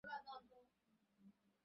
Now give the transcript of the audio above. সিংহটাকে আমি সামলাতে পারবো।